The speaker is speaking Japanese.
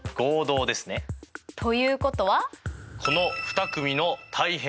ということは？